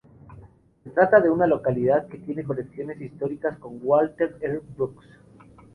Se trata de una localidad que tiene conexiones históricas con Walter R. Brooks.